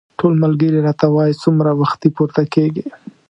ټول ملګري راته وايي څومره وختي پورته کېږې.